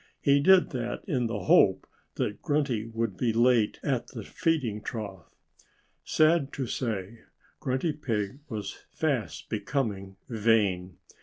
He did that in the hope that Grunty would be late at the feeding trough. Sad to say, Grunty Pig was fast becoming vain.